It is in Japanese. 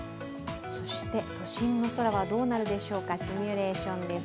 都心の空はどうなるでしょうか、シミュレーションです。